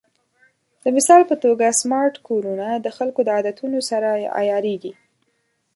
د مثال په توګه، سمارټ کورونه د خلکو د عادتونو سره عیارېږي.